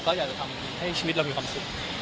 ก็อยากจะทำให้ชีวิตเรามีความสุข